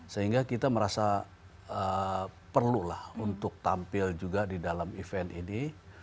sehingga kita merasa perlulah untuk tampil juga di dalam event ini